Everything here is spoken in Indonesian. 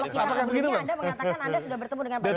anda mengatakan anda sudah bertemu dengan pak jokowi